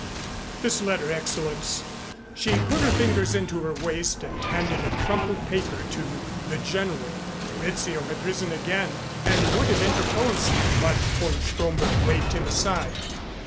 "This letter, Excellenz." She put her fingers into her waist and handed a crumpled paper to the General. Rizzio had risen again and would have interposed but von Stromberg waved him aside.